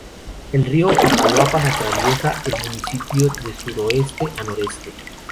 El río Papaloapan atraviesa el municipio de suroeste a noreste.